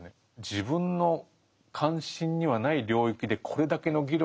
「自分の関心にはない領域でこれだけの議論ができてる。